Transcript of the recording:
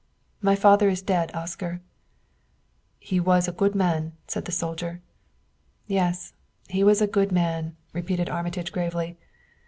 "My father is dead, Oscar." "He was a good man," said the soldier. "Yes; he was a good man," repeated Armitage gravely.